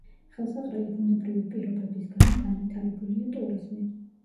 ხელსაყრელი ბუნებრივი პირობების გამო განვითარებულია ტურიზმი.